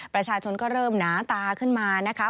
ประชาชนก็เริ่มหนาตาขึ้นมานะคะ